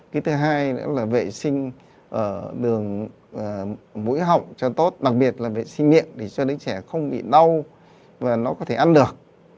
cái thứ hai nữa là vệ sinh đường mũi họng cho tốt đặc biệt là vệ sinh miệng để cho đứa trẻ không bị đau và nó có thể ăn được